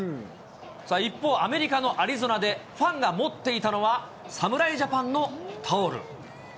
一方、アメリカのアリゾナでファンが持っていたのは、侍ジャパンのタオル。